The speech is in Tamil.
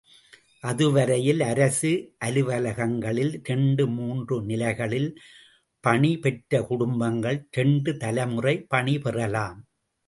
அதுவரையில் அரசு அலுவலகங்களில் இரண்டு மூன்று நிலைகளில் பணிபெற்ற குடும்பங்கள் இரண்டு தலைமுறை பணி பெறலாம்.